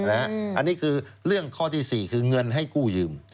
อันนี้คือเรื่องข้อที่๔คือเงินให้กู้ยืม